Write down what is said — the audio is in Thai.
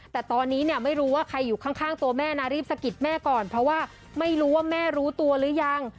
แต่ตอนนี้เนี่ยไม่รู้ว่าใครอยู่ข้างตัวแม่นะรีบสะกิดแม่ก่อนเพราะว่าไม่รู้ว่าแม่รู้ตัวหรือยัง